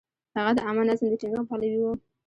هغه د عامه نظم د ټینګښت پلوی و.